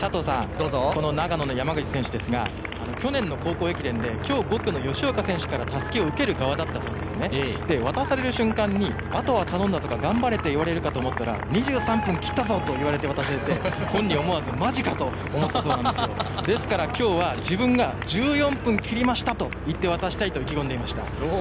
長野の山口選手ですが去年の高校駅伝で今日、５区の吉岡選手からたすきを受ける側だったんですが渡される瞬間にあとは頼んだとか頑張れと言われるかと思ったら２３分切ったぞと言われて渡されて、本人はマジか？と思ったそうですが今日は自分は１４分切りましたと言って渡したいと意気込んでいました。